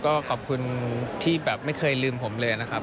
ก็ขอบคุณที่แบบไม่เคยลืมผมเลยนะครับ